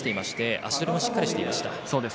足取りもしっかりしていました。